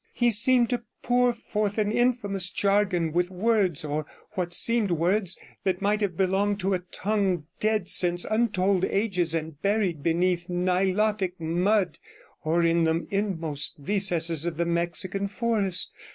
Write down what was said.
He seemed to pour forth an infamous jargon, with words, or what seemed words, that might have belonged to a tongue dead since untold ages and buried deep beneath Nilotic mud, or in the inmost recesses of the Mexican forest.